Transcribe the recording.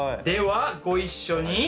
ではご一緒に。